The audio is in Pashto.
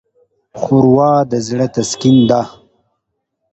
ښوروا د زړه تسکین ده.